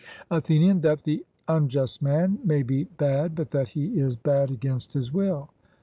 ATHENIAN: That the unjust man may be bad, but that he is bad against his will.